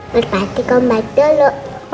berarti kamu baik dulu